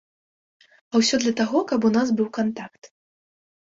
А ўсё для таго, каб у нас быў кантакт.